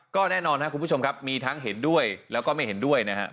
ก็แน่นอนครับคุณผู้ชมครับมีทั้งเห็นด้วยแล้วก็ไม่เห็นด้วยนะครับ